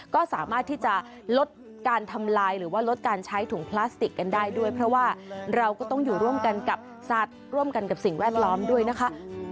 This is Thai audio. ก็สามารถที่จะลดการทำลายหรือว่าลดการใช้ถุงพลาสติกกันได้ด้วยเพราะว่าเราก็ต้องอยู่ร่วมกันกับสัตว์ร่วมกันกับสิ่งแวดล้อมด้วยนะคะ